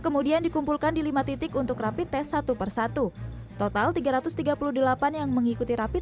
kemudian dikumpulkan di lima titik untuk rapi tes satu persatu total tiga ratus tiga puluh delapan yang mengikuti rapid